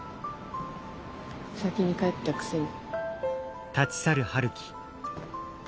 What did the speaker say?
先に帰ったくせに。